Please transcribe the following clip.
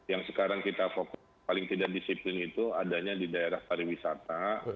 yang sekarang kita fokus paling tidak disiplin itu adanya di daerah pariwisata